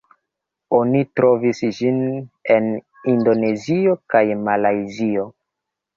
Oni trovis ĝin en Indonezio kaj Malajzio.